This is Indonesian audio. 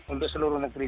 untuk seluruh negeri